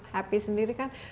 happy sendiri kan